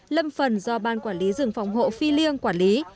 lâm phần do ban quản lý rừng phòng hộ phi liêng quản lý